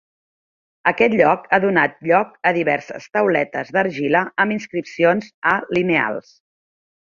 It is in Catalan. Aquest lloc ha donat lloc a diverses tauletes d'argila amb inscripcions A lineals.